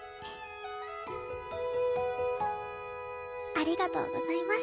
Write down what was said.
ありがとうございます。